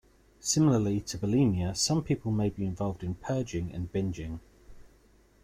Similarly to bulimia some people may be involved in purging and binging.